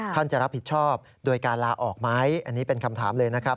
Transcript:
ท่านจะรับผิดชอบโดยการลาออกไหมอันนี้เป็นคำถามเลยนะครับ